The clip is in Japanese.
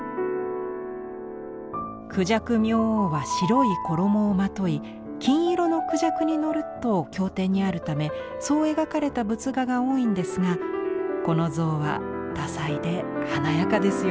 孔雀明王は白い衣をまとい金色の孔雀に乗ると経典にあるためそう描かれた仏画が多いんですがこの像は多彩で華やかですよね。